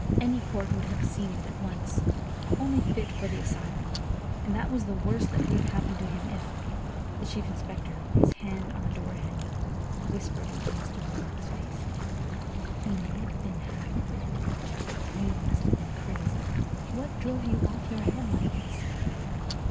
Any court would have seen that at once. Only fit for the asylum. And that was the worst that would've happened to him if—" The Chief Inspector, his hand on the door handle, whispered into Mr Verloc's face. "He may've been half witted, but you must have been crazy. What drove you off your head like this?"